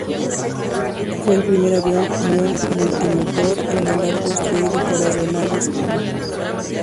Fue el primer avión multi-motor en volar construido por Aeronaves Blackburn.